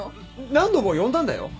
何度も呼んだんだよ？